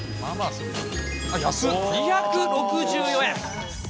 ２６４円。